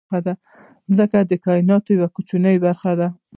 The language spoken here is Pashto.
مځکه د کایناتو یوه کوچنۍ برخه ده.